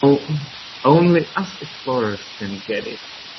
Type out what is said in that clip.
Only us explorers can get it.